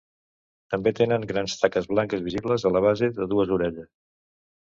També tenen grans taques blanques, visibles a la base de les dues orelles.